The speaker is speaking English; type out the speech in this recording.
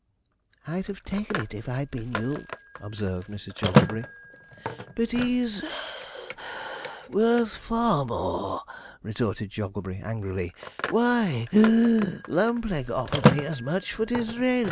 'I'd have taken it if I'd been you,' observed Mrs. Jogglebury. 'But he's (puff) worth far more,' retorted Jogglebury angrily; 'why (wheeze) Lumpleg offered me as much for Disraeli.'